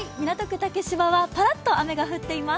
竹芝はぱらっと雨が降っています。